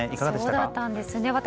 そうだったんですね。